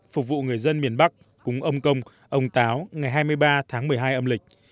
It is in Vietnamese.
phục vụ người dân miền bắc cúng ông công ông táo ngày hai mươi ba tháng một mươi hai âm lịch